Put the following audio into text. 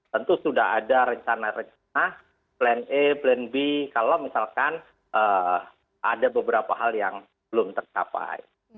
tentu sudah ada rencana rencana plan e plan b kalau misalkan ada beberapa hal yang belum tercapai